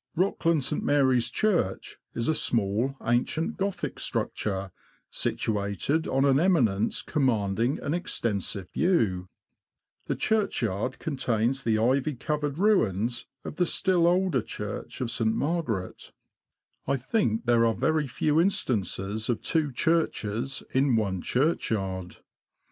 Rockland St. Mary^s Church is a small, ancient Gothic structure, situated on an eminence commanding an extensive view. The churchyard contains the ivy Broad nosed Eel. ^n)y^^^tgii ^om 58 THE LAND OF THE BROADS. covered ruins of the still older church of St. Margaret. I think there are very few instances of two churches in one churchyard.